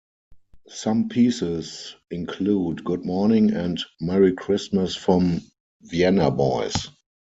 Some pieces include "Good Morning" and "Merry Christmas from Vienna Boys".